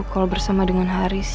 kalau bersama dengan haris